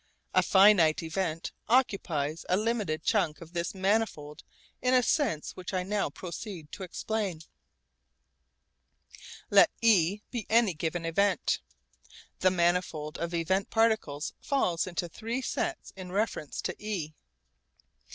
A finite event occupies a limited chunk of this manifold in a sense which I now proceed to explain. Let e be any given event. The manifold of event particles falls into three sets in reference to e.